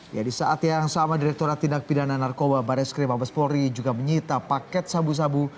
ya di saat yang sama direkturat tindak pidana narkoba baris krim abespori juga menyita paket sabu sabu